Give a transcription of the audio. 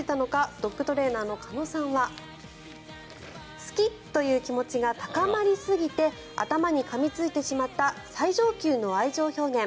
ドッグトレーナーの鹿野さんは好きという気持ちが高まりすぎて頭にかみついてしまった最上級の愛情表現。